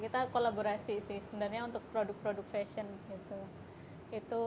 kita kolaborasi sih sebenarnya untuk produk produk fashion gitu